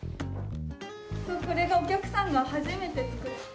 これお客さんが初めて作った。